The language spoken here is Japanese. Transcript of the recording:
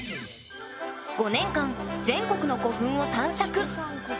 ５年間全国の古墳を探索。